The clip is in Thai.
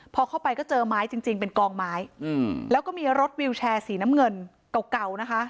พอเข้าไปก็เจอไม้จริงเป็นกองไม้แล้วก็มีรถวิวแชร์สีน้ำเงินเก่านะคะ